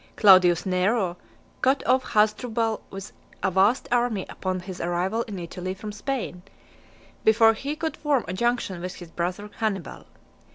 Claudius Nero cut off Hasdrubal with a vast army upon his arrival in Italy from Spain, before he could form a junction with his brother Hannibal .